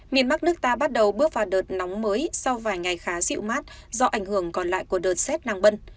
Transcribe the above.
miền bắc nước ta bắt đầu bước vào đợt nóng mới sau vài ngày khá dịu mát do ảnh hưởng còn lại của đợt z nàng bần